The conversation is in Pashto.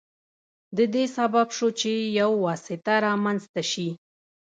د دې سبب شو چې یو واسطه رامنځته شي.